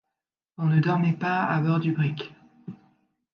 On ne dormait pas à bord du brick.